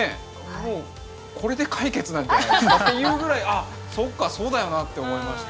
もうこれで解決なんじゃないですかっていうぐらい「あそっかそうだよな」って思いました。